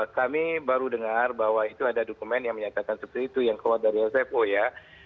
kami baru dengar bahwa itu ada dokumen yang menyatakan seperti itu yang keluar dari sfo ya